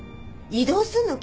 異動すんの？